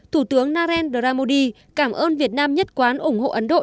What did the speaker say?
thủ tướng narendra modi cảm ơn việt nam nhất quán ủng hộ ấn độ